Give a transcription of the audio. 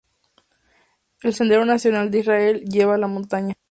El Sendero Nacional de Israel lleva a la montaña.